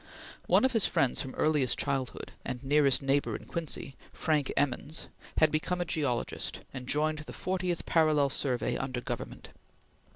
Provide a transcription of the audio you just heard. One of his friends from earliest childhood, and nearest neighbor in Quincy, Frank Emmons, had become a geologist and joined the Fortieth Parallel Survey under Government.